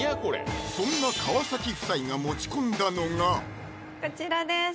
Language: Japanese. そんな川崎夫妻が持ち込んだのがこちらです！